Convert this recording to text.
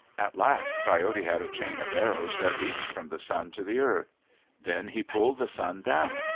At last Coyote had a chain of arrows that reached from the sun to the earth. Then he pulled the sun down.